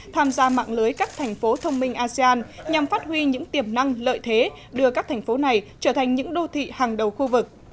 tham gia mạng lưới các thành phố thông minh asean nhằm phát huy những tiềm năng lợi thế đưa các thành phố này trở thành những đô thị hàng đầu khu vực